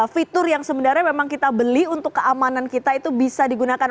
fitur yang sebenarnya memang kita beli untuk keamanan kita itu bisa digunakan